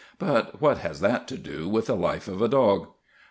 But what has that to do with the life of a dog?